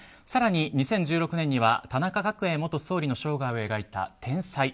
更に、２０１６年には田中角栄元総理の生涯を描いた「天才」。